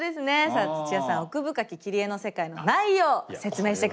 さあ土屋さん「奥深き切り絵の世界」の内容説明して下さい。